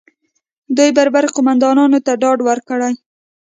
دوی بربر قومندانانو ته ډاډ ورکړي